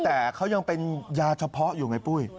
แต่เขายังเป็นยาเฉพาะอยู่ไงปุ้ย